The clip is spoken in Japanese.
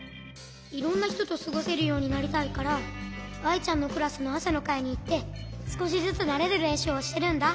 いろんなひととすごせるようになりたいからアイちゃんのクラスのあさのかいにいってすこしずつなれるれんしゅうをしてるんだ。